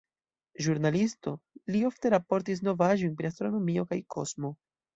Ĵurnalisto, li ofte raportis novaĵojn pri astronomio kaj kosmo.